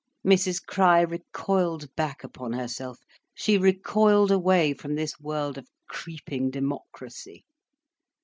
Mrs Crich recoiled back upon herself, she recoiled away from this world of creeping democracy.